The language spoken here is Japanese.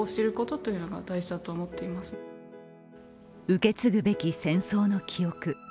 受け継ぐべき戦争の記憶。